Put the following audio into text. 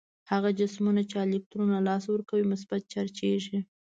هغه جسمونه چې الکترون له لاسه ورکوي مثبت چارجیږي.